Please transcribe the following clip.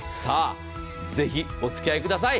ぜひお付き合いください。